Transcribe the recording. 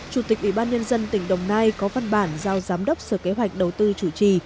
chủ tịch ủy ban nhân dân tỉnh đồng nai có văn bản giao giám đốc sở kế hoạch đầu tư chủ trì